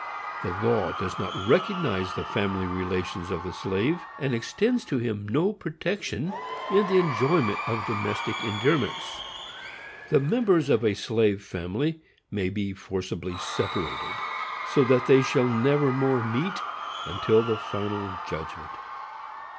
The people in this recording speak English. The law does not recognize the family relations of the slave, and extends to him no protection in the enjoyment of domestic endearments. The members of a slave family may be forcibly separated, so that they shall never more meet until the final judgment.